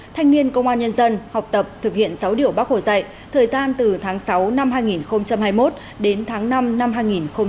thanh niên công an nhân dân học tập thực hiện sáu điều bác hồ dạy thời gian từ tháng sáu năm hai nghìn hai mươi một đến tháng năm năm hai nghìn hai mươi ba